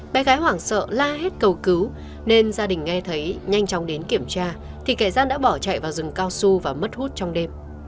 bé gái hoảng sợ la hết cầu cứu nên gia đình nghe thấy nhanh chóng đến kiểm tra thì kẻ gian đã bỏ chạy vào rừng cao su và mất hút trong đêm